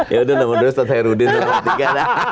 ya udah nomor dua ustadz herudin nomor tiga